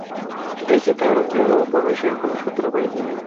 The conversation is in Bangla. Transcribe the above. দেখি তার অনুপ্রবেশের কোনো সূত্র পাই কিনা।